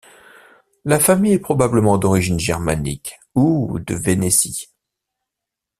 La famille est probablement d'origine germanique ou de Vénétie.